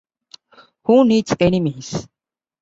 Who Needs Enemies?